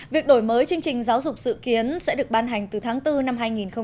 việc đổi mới chương trình giáo dục dự kiến sẽ được ban hành từ tháng bốn năm hai nghìn hai mươi